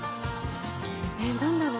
えっ何だろう？